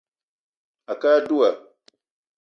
A kə á dula